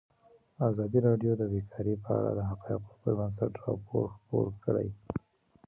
ازادي راډیو د بیکاري په اړه د حقایقو پر بنسټ راپور خپور کړی.